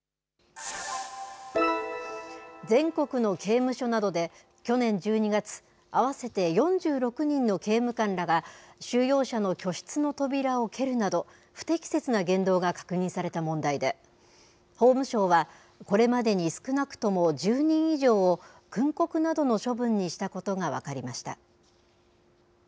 全国の刑務所などで、去年１２月、合わせて４６人の刑務官らが、収容者の居室の扉を蹴るなど、不適切な言動が確認された問題で、法務省はこれまでに少なくとも１０人以上を訓告などの処分にしたことが分かりました。